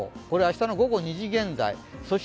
これ、明日の午後２時現在。